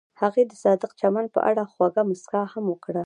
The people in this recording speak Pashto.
هغې د صادق چمن په اړه خوږه موسکا هم وکړه.